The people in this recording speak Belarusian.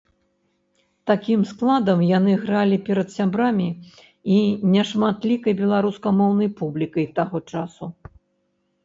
Такім складам яны гралі перад сябрамі і нешматлікай беларускамоўнай публікай таго часу.